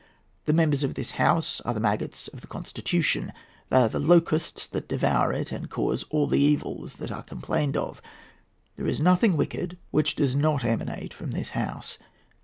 The members of this House are the maggots of the Constitution. They are the locusts that devour it and cause all the evils that are complained of. There is nothing wicked which does not emanate from this House.